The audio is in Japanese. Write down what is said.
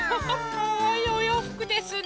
かわいいおようふくですね。